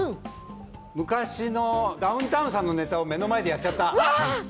昔のダウンタウンさんのネタを目の前でやっちゃった。